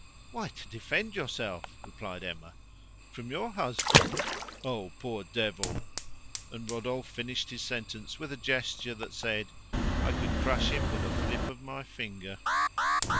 "Why, to defend yourself," replied Emma. "From your husband? Oh, poor devil!" And Rodolphe finished his sentence with a gesture that said, "I could crush him with a flip of my finger."